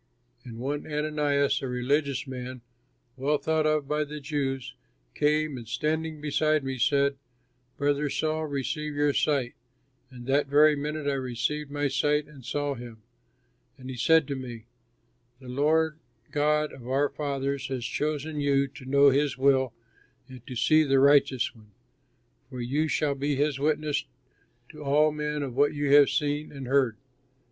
And one Ananias, a religious man, well thought of by the Jews, came and, standing beside me, said, 'Brother Saul, receive your sight,' and that very minute I received my sight and saw him. And he said to me, 'The God of our fathers has chosen you to know his will and to see the Righteous One. For you shall be his witness to all men of what you have seen and heard.'